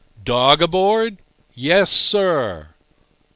"Dog aboard?" "Yes, sir."